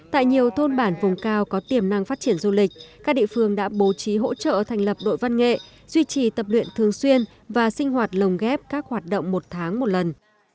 tại nhiều thôn bản vùng cao có tiềm năng phát triển du lịch các địa phương đã bố trí hỗ trợ thành lập đội văn nghệ duy trì tập luyện thường xuyên và sinh hoạt lồng ghép các hoạt động một tháng một lần